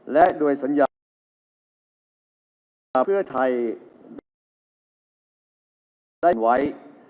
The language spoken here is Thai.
และโดยสัญญาภักดิ์เพื่อไทยได้เป็นไว้